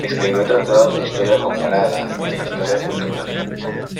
Escribió tratados de historia comparada e historia cultural.